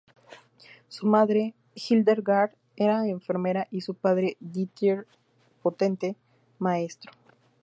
Su madre, Hildegard, era enfermera, y su padre, Dieter Potente, maestro.